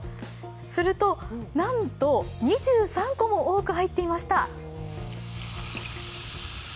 すると、なんと２３個も多く入っていました。